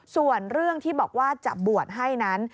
ส่วนเรื่องที่บอกว่าจะบวชให้นั้น